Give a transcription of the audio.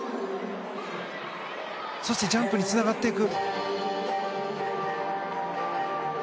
そしてジャンプにつながっていく。